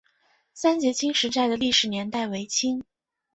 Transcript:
三捷青石寨的历史年代为清。